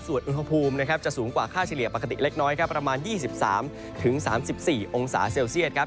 ส่วนอุณหภูมิจะสูงกว่าค่าเฉลี่ยปกติเล็กน้อยครับประมาณ๒๓๓๔องศาเซลเซียตครับ